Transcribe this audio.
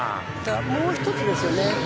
もう１つですよね。